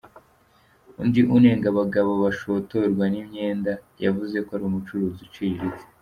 Undi unenga abagabo bashotorwa n’imyenda yavuze ko ari umucuruzi uciriritse.